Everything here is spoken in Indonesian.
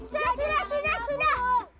sudah sudah sudah